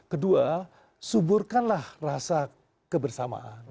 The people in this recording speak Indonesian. kedua suburkanlah rasa kebersamaan